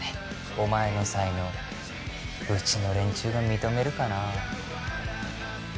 お前の才能うちの連中が認めるかな？